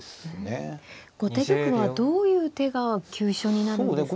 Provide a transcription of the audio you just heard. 後手玉はどういう手が急所になるんですか。